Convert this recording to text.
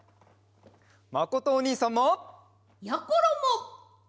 まことおにいさんも！やころも！